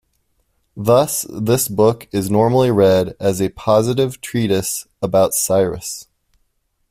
Thus this book is normally read as a positive treatise about Cyrus.